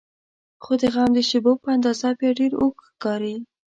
خو د غم د شیبو په اندازه بیا ډېر اوږد ښکاري.